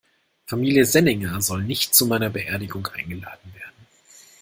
Familie Senninger soll nicht zu meiner Beerdigung eingeladen werden.